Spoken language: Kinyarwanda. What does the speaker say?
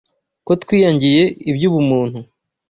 Ko twiyangiye iby’ubumuntu